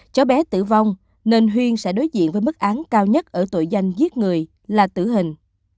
cho bé tử vong nền huyên sẽ đối diện với mức án cao nhất ở tội danh giết người là tử hình